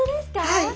はい。